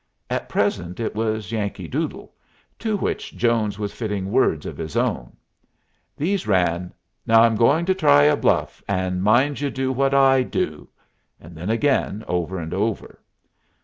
At present it was "Yankee Doodle," to which Jones was fitting words of his own. These ran, "Now I'm going to try a bluff. And mind you do what I do"; and then again, over and over.